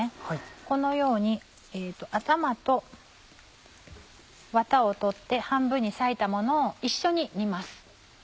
このように頭とワタを取って半分に裂いたものを一緒に煮ます。